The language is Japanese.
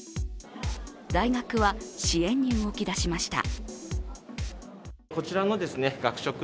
大学は支援に動き出しました。